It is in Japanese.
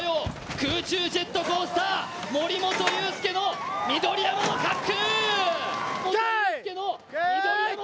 空中ジェットコースター、森本裕介の緑山の滑空。